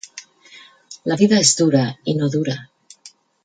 —La vida és dura. —I no dura!